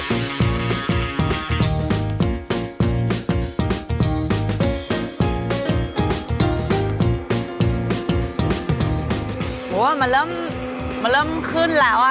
โอ้โหมันเริ่มขึ้นแล้วอ่ะ